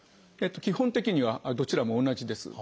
基本的にはどちらも同じです。